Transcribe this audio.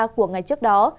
của ngày trước đó